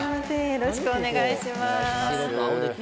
よろしくお願いします